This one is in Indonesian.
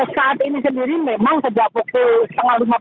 saat ini sendiri memang sejak pukul lima tiga puluh